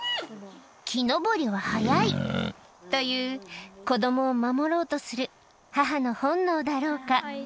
木登りは早いという、子どもを守ろうとする母の本能だろうか。